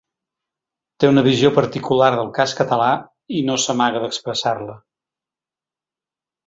Té una visió particular del cas català, i no s’amaga d’expressar-la.